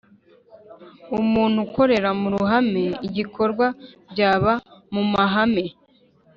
Umuntu ukorera mu ruhame igikorwa byaba mumahame